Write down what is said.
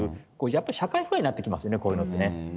やっぱり社会不安になってきますよね、こういうのってね。